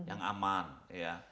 yang aman ya